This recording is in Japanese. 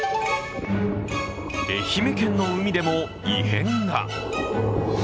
愛媛県の海でも異変が。